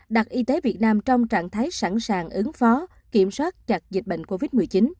đặt y tế việt nam trong trạng thái sẵn sàng ứng phó kiểm soát chặt dịch bệnh covid một mươi chín